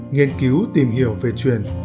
nghiên cứu tìm hiểu về truyền